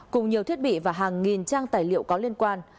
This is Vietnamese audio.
cùng nhiều thiết bị và hàng nghìn trang tài liệu có liên quan